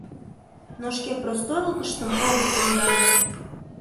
Но шке простойлыкыштым огыт йомдаре.